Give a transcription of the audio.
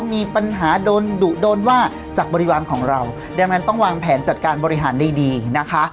มีปัญหาโดนดุโดนว่าจากบริวารของเราดังนั้นต้องวางแผนจัดการบริหารดีนะคะ